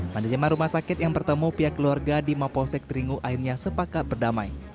manajemen rumah sakit yang bertemu pihak keluarga di mapolsek tringu akhirnya sepakat berdamai